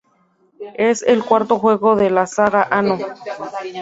Es el cuarto juego de la saga "Anno".